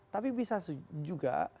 tapi bisa juga